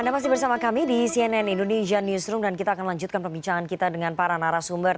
anda masih bersama kami di cnn indonesia newsroom dan kita akan lanjutkan perbincangan kita dengan para narasumber